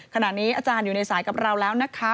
ขณะนี้อาจารย์อยู่ในสายกับเราแล้วนะคะ